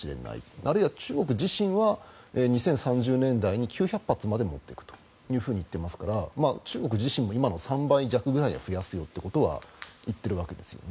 あるいは中国自身は２０３０年代に９００発まで持っていくと言っていますから中国自身も今の３倍弱には増やすよということは言っているわけですね。